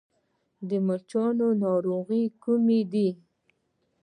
د مچیو ناروغۍ کومې دي؟